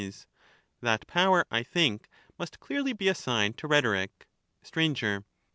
That power, I think, must clearly be assigned to rhetoric. Sir.